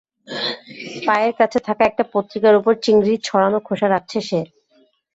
পায়ের কাছে থাকা একটা পত্রিকার ওপর চিংড়ির ছাড়ানো খোসা রাখছে সে।